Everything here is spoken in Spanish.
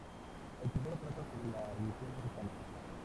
El primero trata sobre la religión mexica.